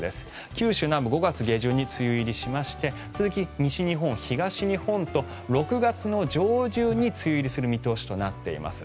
九州南部５月下旬に梅雨入りして西日本、東日本と６月上旬に梅雨入りする見通しとなっています。